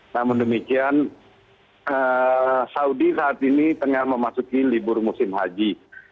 namun demikian saudi saat ini tengah memasuki libur musim haji